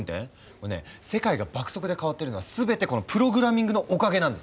もうね世界が爆速で変わってるのは全てこのプログラミングのおかげなんですよ。